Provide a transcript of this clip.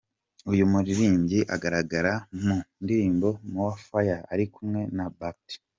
Uyu muririmbyi agaragara mu ndirimbo “More fire” ari kumwe na Bact.